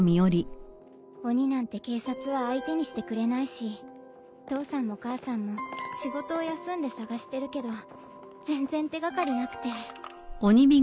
鬼なんて警察は相手にしてくれないし父さんも母さんも仕事を休んで捜してるけど全然手掛かりなくて。